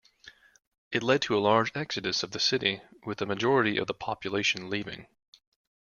It led to a large exodus of the city, with a majority of the population leaving.